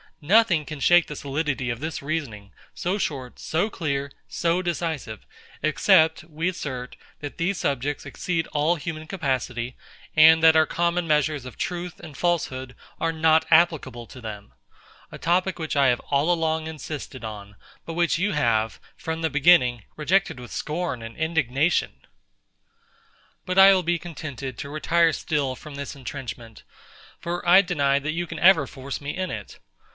Nothing can shake the solidity of this reasoning, so short, so clear, so decisive; except we assert, that these subjects exceed all human capacity, and that our common measures of truth and falsehood are not applicable to them; a topic which I have all along insisted on, but which you have, from the beginning, rejected with scorn and indignation. But I will be contented to retire still from this entrenchment, for I deny that you can ever force me in it.